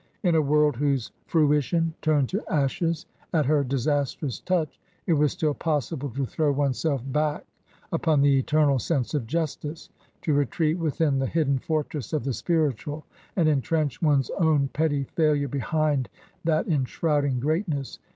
In a world whose fruition turned to ashes at her disastrous touch, it was still possible to throw oneself back upon the eternal sense of justice, to retreat within the hidden fortress of the spiritual, and entrench one's own petty failure behind that enshrouding great ness.